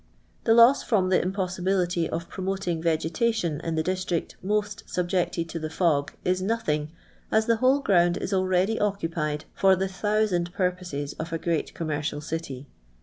The loss from the impossibility of nroinoting vM>eta tion in the district most subicctcd to the fog Is nothing, as the whole ground Is already <X!cunied for the thousand Kurposes of a Rteat commercial city.